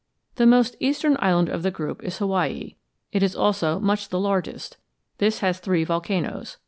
The most eastern island of the group is Hawaii. It is also much the largest. This has three volcanoes.